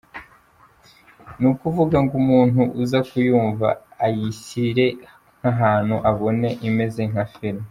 Ni ukuvuga ngo umuntu uza kuyumva, ayishyire nk’ahantu abone imeze nka film.